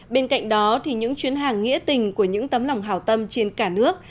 bên cạnh đó những chuyến hàng nghĩa tình của những tấm lòng hảo tâm trên cả nước